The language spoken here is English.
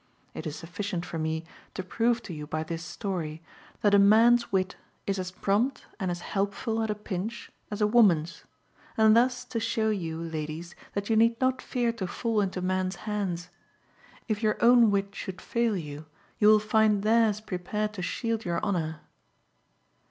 It is sufficient for me to prove to you by this story that a man's wit is as prompt and as helpful at a pinch as a woman's, and thus to show you, ladies, that you need not fear to fall into men's hands. If your own wit should fail you, you will find theirs prepared to shield your honour."